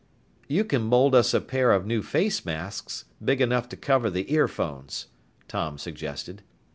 "You can mold us a pair of new face masks big enough to cover the earphones," Tom suggested.